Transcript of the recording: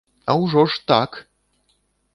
А ўжо ж, так!